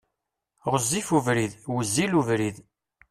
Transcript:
Ɣezzif ubrid, wezzil ubrid.